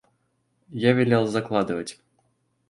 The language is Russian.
Я велел закладывать.